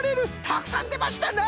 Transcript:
たくさんでましたな！